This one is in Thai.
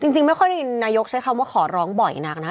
จริงไม่ค่อยได้ยินนายกใช้คำว่าขอร้องบ่อยนักนะ